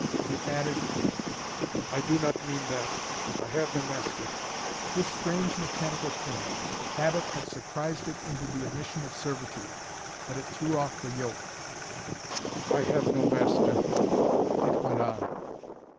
It added, "I do not mean that! I have no master!" This strange mechanical thing! Habit had surprised it into the admission of servitude; but it threw off the yoke. "I have no master!" it went on.